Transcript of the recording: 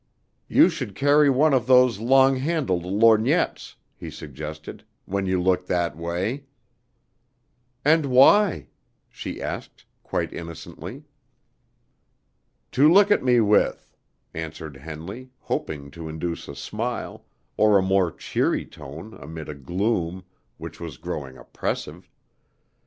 "You should carry one of those long handled lorgnettes," he suggested, "when you look that way." "And why?" she asked quite innocently. "To look at me with," answered Henley, hoping to induce a smile, or a more cheery tone amid a gloom which was growing oppressive.